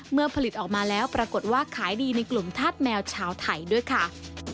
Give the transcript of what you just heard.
ผลิตออกมาแล้วปรากฏว่าขายดีในกลุ่มธาตุแมวชาวไทยด้วยค่ะ